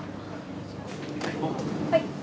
はい。